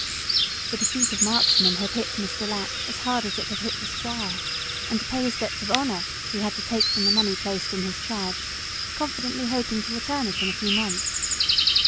The defeat of Marksman had hit Mr. Latch as hard as it had hit the squire, and to pay his debts of honour he had to take from the money placed in his charge, confidently hoping to return it in a few months.